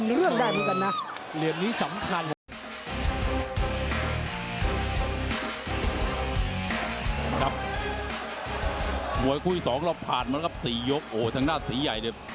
โอนเอนโออนเอนโดนตลอดนี่ตีซอย